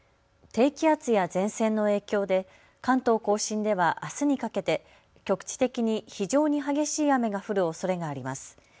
低気圧や前線の影響で関東甲信ではあすにかけて局地的に非常に激しい雨が降るおそれがあります。